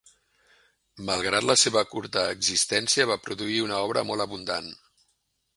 Malgrat la seva curta existència, va produir una obra molt abundant.